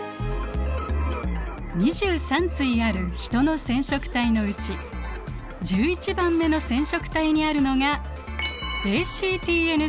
２３対あるヒトの染色体のうち１１番目の染色体にあるのがＡＣＴＮ